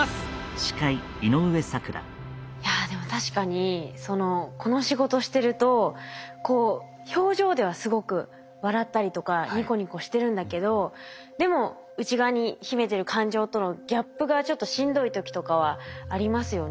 いやでも確かにこの仕事してるとこう表情ではすごく笑ったりとかニコニコしてるんだけどでも内側に秘めてる感情とのギャップがちょっとしんどい時とかはありますよね。